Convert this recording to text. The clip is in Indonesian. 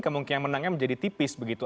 kemungkinan menangnya menjadi tipis begitu